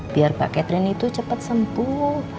biar mbak katrin itu cepet sembuh